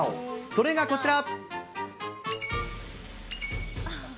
それがこちら。